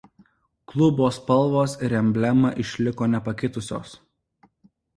Klubo spalvos ir emblema išliko nepakitusios.